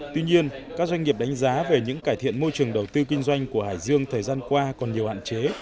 tuy nhiên các doanh nghiệp đánh giá về những cải thiện môi trường đầu tư kinh doanh của hải dương thời gian qua còn nhiều hạn chế